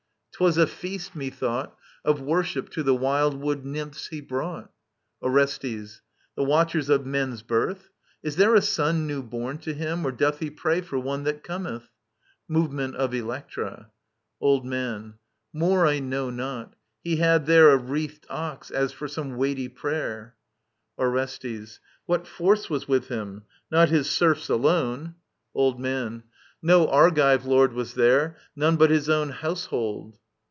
Twas a feast, methought* Of worship to the vrild wood njrmphs he wrought. Orestes. The watchers of men's birth ? Is there a son New born to him, or doth he pray for one That Cometh i [Movement ^Electra. Old Man. More I know not ; he had there A wreath&d ox, as for some weighty prayer. Orestes. What force was with him ? Not his serfs alone i Old Man. No Argive lord was there ; none but his own Household.